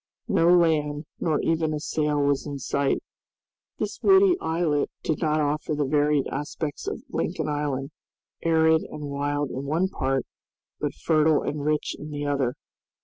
No land nor even a sail was in sight. This woody islet did not offer the varied aspects of Lincoln Island, arid and wild in one part, but fertile and rich in the other.